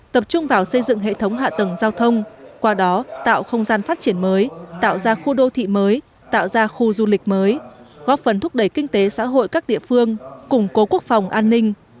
tập trung vào xây dựng hệ thống hạ tầng giao thông qua đó tạo không gian phát triển mới tạo ra khu đô thị mới tạo ra khu du lịch mới góp phần thúc đẩy kinh tế xã hội các địa phương củng cố quốc phòng an ninh